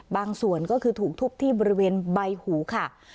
ส่วนก็คือถูกทุบที่บริเวณใบหูค่ะ